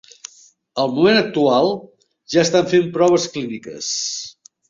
Al moment actual, ja estan fen proves clíniques.